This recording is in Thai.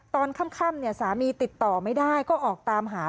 ตอนค่ำสามีติดต่อไม่ได้ก็ออกตามหา